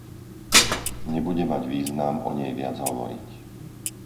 Nebude mať význam o nej viac hovoriť.